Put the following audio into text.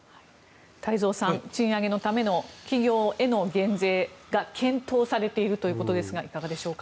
太蔵さん賃上げのための企業への減税が検討されているということですがいかがでしょうか？